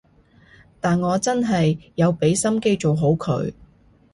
但我真係有畀心機做好佢